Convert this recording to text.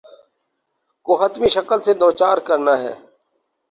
کو حتمی شکست سے دوچار کرنا ہے۔